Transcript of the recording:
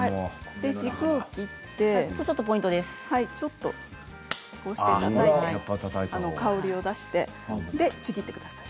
軸を切って、ちょっとたたいて香りを出してちぎってください。